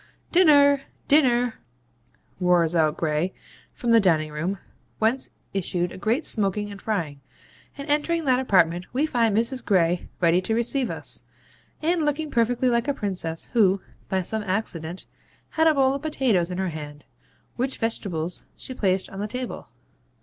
'Dinner, dinner!' roars out Gray, from the diningroom, whence issued a great smoking and frying; and entering that apartment we find Mrs. Gray ready to receive us, and looking perfectly like a Princess who, by some accident, had a bowl of potatoes in her hand, which vegetables she placed on the table.